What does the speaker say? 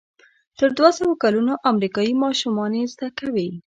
تر دوهسوه کلونو امریکایي ماشومان یې زده کوي.